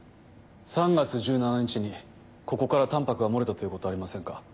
３月１７日にここからタンパクが漏れたということはありませんか？